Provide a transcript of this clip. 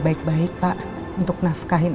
baik baik pak untuk nafkahin